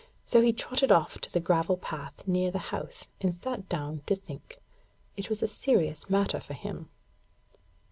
So he trotted off to the gravel path near the house, and sat down to think. It was a serious matter for him.